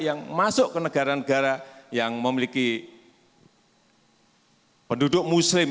yang masuk ke negara negara yang memiliki penduduk muslim